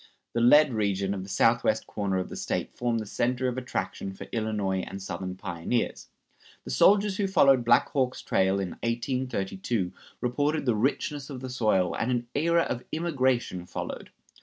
The lead region of the southwest corner of the State formed the center of attraction for Illinois and Southern pioneers. The soldiers who followed Black Hawk's trail in 1832 reported the richness of the soil, and an era of immigration followed.